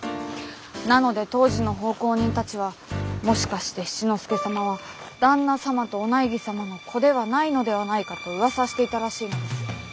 なので当時の奉公人たちは「もしかして七之助様は旦那さまとお内儀様の子ではないのではないか」とうわさしていたらしいのです。